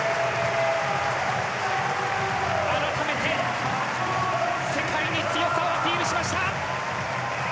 改めて、世界に強さをアピールしました。